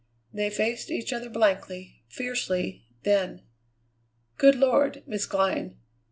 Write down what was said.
They faced each other blankly, fiercely. Then: "Good Lord, Miss Glynn!"